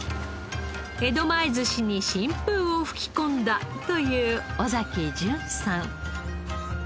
江戸前寿司に新風を吹き込んだという尾崎淳さん。